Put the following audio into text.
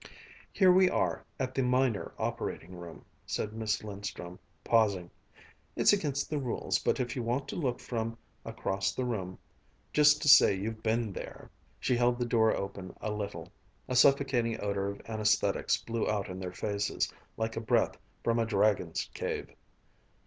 "Here we are, at the minor operating room," said Miss Lindström, pausing. "It's against the rules, but if you want to look from across the room just to say you've been there " She held the door open a little, a suffocating odor of anaesthetics blew out in their faces, like a breath from a dragon's cave.